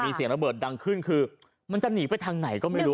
มีเสียงระเบิดดังขึ้นคือมันจะหนีไปทางไหนก็ไม่รู้